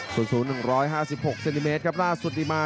ส่วนสูง๑๕๖เซนติเมตรครับล่าสุดดีมา